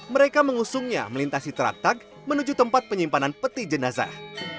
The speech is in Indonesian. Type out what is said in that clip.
mereka mengusungnya melintasi teraktak menuju tempat penyimpanan peti jenazah